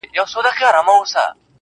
• كه زړه يې يوسې و خپل كور ته گراني .